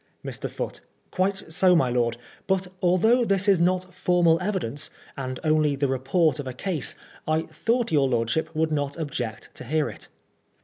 Mr. Foote : Quite so, my lord ; but although this is not formal evidence, and only the report of a case, I thought your lordship would not object to hear it.